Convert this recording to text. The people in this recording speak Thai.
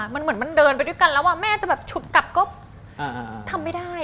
มันเหมือนมันเดินไปด้วยกันแล้วแม่จะแบบฉุดกลับก็ทำไม่ได้